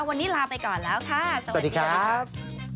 วันนี้ลาไปก่อนแล้วค่ะสวัสดีครับ